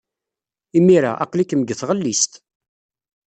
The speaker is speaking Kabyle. Imir-a, aql-ikem deg tɣellist.